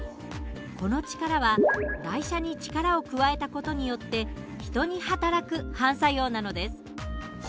この力は台車に力を加えた事によって人にはたらく反作用なのです。